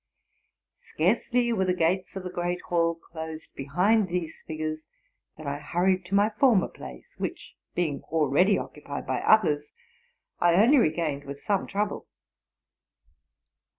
Seareely were the gates of the great hall closed behind these figures, than I hurried to my former place, which, being already. occupied by others, I only regained with some trouble.